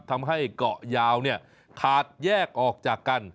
ทำให้เกาะยาวขาดแยกออกจากกัน